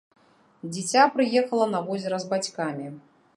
Дзіця прыехала на возера з бацькамі.